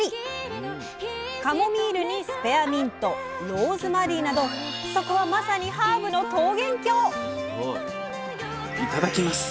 カモミールにスペアミントローズマリーなどそこはまさにいただきます！